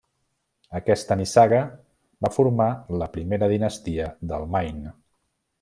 Aquesta nissaga va formar la primera dinastia del Maine.